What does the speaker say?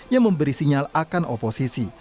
yang memberi sinyal akan oposisi